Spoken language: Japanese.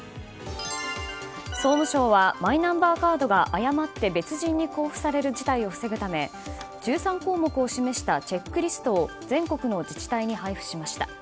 総務省はマイナンバーカードが誤って別人に交付される事態を防ぐため１３項目を示したチェックリストを全国の自治体に配布しました。